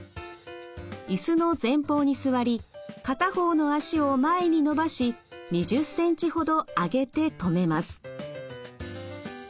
椅子の前方に座り片方の脚を前に伸ばし２０センチほど上げて止めます。